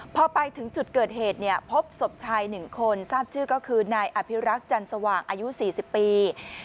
พอไปถึงจุดเกิดเหตุพบศพชาย๑คนทราบชื่อก็คือนายอภิรักษ์จันสว่างอายุ๔๐ปี